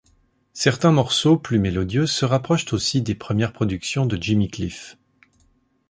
Certains morceaux plus mélodieux se rapprochent aussi des premières productions de Jimmy Cliff.